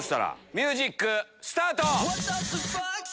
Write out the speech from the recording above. ミュージックスタート！